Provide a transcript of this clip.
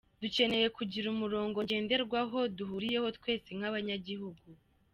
Dukeneye kugira umurongo ngenderwaho duhuriyeho twese nk’abanyagihugu.